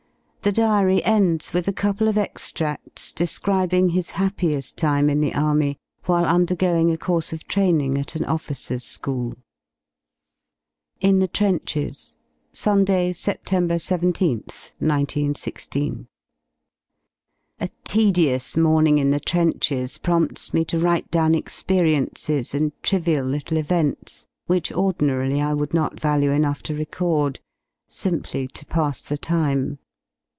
The diary ends with a couple of extrads describing hi'S happieft time in the army, while undergoing a course of training at an officers^ school. 64 IN THE TRENCHES Sunday, Sept. lyth, 191 6. A tedious morning in the trenches prompts me to write ^1 J '/yvi down experiences and trivial little events which ordinarily 1 I would not value enough to record, simply to pass the time.